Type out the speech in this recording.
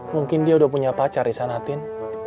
mungkin dia udah punya pacar disana tin